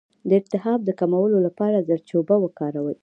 د التهاب د کمولو لپاره زردچوبه وکاروئ